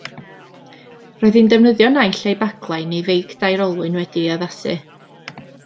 Roedd hi'n defnyddio naill ai baglau neu feic dair olwyn wedi'i addasu.